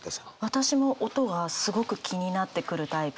私も音はすごく気になってくるタイプで。